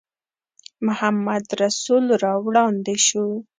محمدرسول را وړاندې شو.